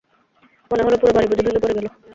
মনে হল পুরো বাড়ি বুঝি ভেঙে পড়ে গেল।